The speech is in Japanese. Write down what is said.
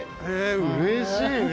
うれしいね。